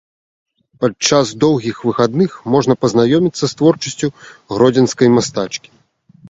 Падчас доўгіх выхадных можна пазнаёміцца з творчасцю гродзенскай мастачкі.